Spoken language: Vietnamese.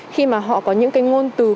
khi mà họ có những ngôn từ khóa